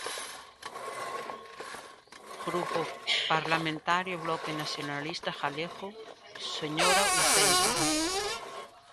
Grupo Parlamentario Bloque Nacionalista Galego, señora Uceira.